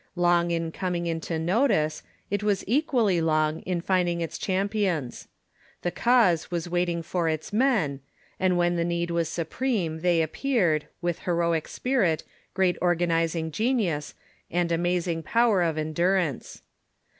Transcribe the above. Long in coming into ,^„... notice, it was equallv long in finding its cliampi The Reformation ... an Historical ons. Ihe cause was waitmg for its men, and Crisis when the need was supreme they appeared, with heroic spirit, great organizing genius, and amazing power of endurance.